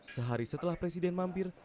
sehari setelah presiden mampir